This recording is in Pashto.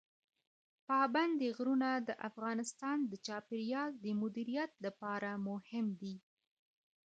پابندی غرونه د افغانستان د چاپیریال د مدیریت لپاره مهم دي.